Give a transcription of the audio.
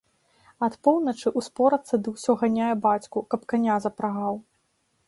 Ад поўначы ўспорацца ды ўсё ганяе бацьку, каб каня запрагаў.